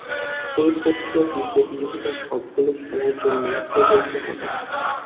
এ প্রক্রিয়াটি প্রতিযোগিতার সবগুলো খেলার জন্যেই প্রযোজ্য হবে।